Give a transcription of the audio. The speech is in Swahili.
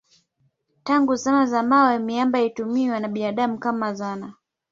Tangu zama za mawe miamba ilitumiwa na binadamu kama zana.